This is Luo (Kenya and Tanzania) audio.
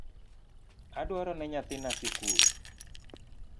Adwarone nyathina sikul